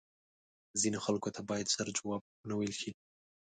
ځینو خلکو ته باید زر جواب وه نه ویل شې